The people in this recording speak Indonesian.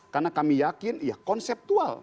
karena kami yakin ya konseptual